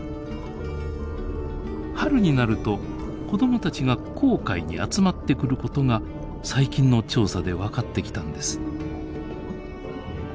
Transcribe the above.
春になると子供たちが紅海に集まってくることが最近の調査で分かってきたんです。